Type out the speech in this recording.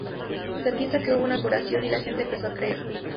Se piensa que hubo una curación y la gente empezó a creer.